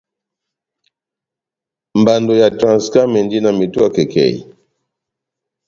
Mbando ya Transcam endi na metowa kɛkɛhi.